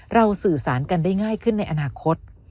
สื่อสารกันได้ง่ายขึ้นในอนาคต